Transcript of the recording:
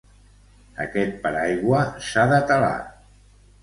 Aquest paraigua s'ha de telar.